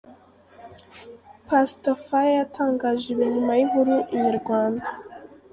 Pastor Fire yatangaje ibi nyuma y'inkuru Inyarwanda.